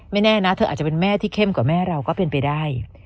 แน่นะเธออาจจะเป็นแม่ที่เข้มกว่าแม่เราก็เป็นไปได้